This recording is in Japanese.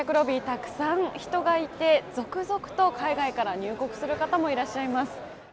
たくさん人がいて、続々と海外から入国する方もいらっしゃいます。